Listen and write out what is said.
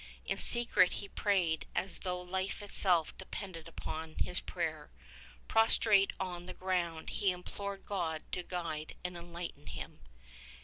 In secret he prayed as though life itself depended upon his prayer. Prostrate on the ground he implored God to guide and enlighten him.